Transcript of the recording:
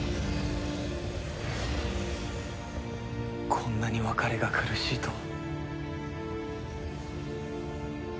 こんなに別れが苦しいとは。